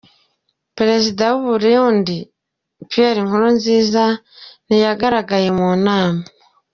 Perezida w’u Burundi Pierre Nkurunziza ntiyagaragaye mu nama.